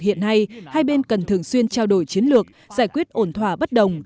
hiện nay hai bên cần thường xuyên trao đổi chiến lược giải quyết ổn thỏa bất đồng